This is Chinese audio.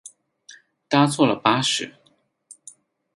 搭错了巴士